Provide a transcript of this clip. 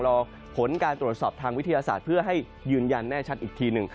รอผลการตรวจสอบทางวิทยาศาสตร์เพื่อให้ยืนยันแน่ชัดอีกทีหนึ่ง